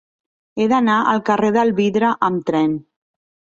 He d'anar al carrer del Vidre amb tren.